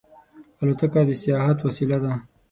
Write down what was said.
الوتکه د سیاحت وسیله ده.